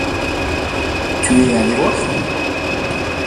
Tu es allé voir ?